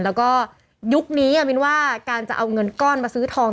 แล้วก็ยุคนี้มินว่าการจะเอาเงินก้อนมาซื้อทอง